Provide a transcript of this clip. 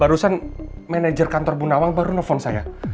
barusan manajer kantor bunda awang baru nelfon saya